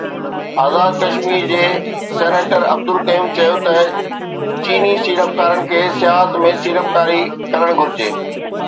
آزاد ڪشمير جي سينيٽر عبدالقيوم چيو ته چيني سيڙپڪارن کي سياحت ۾ سيڙپڪاري ڪرڻ گهرجي